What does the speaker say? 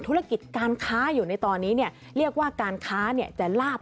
ธุรกิจการค้าอยู่ในตอนนี้เนี่ยเรียกว่าการค้าเนี่ยจะลาบ